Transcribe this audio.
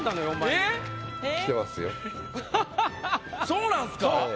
そうなんすか？